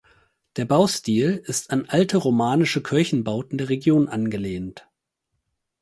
Der Baustil ist an alte romanische Kirchenbauten der Region angelehnt.